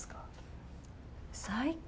最高！